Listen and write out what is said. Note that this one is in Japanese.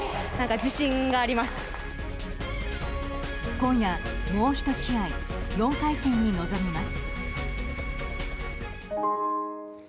今夜、もう１試合４回戦に臨みます。